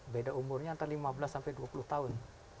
beda umurnya antara lima belas sampai dua puluh tahun